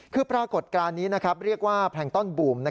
คือปรากฏการณ์นี้เรียกว่าแพลงต้อนบูม